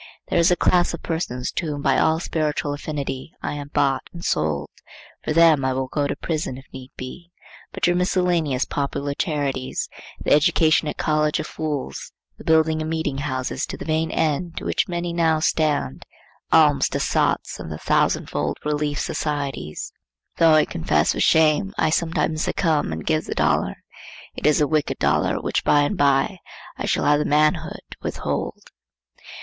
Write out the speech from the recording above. There is a class of persons to whom by all spiritual affinity I am bought and sold; for them I will go to prison if need be; but your miscellaneous popular charities; the education at college of fools; the building of meeting houses to the vain end to which many now stand; alms to sots, and the thousand fold Relief Societies;—though I confess with shame I sometimes succumb and give the dollar, it is a wicked dollar which by and by I shall have the manhood to withhold.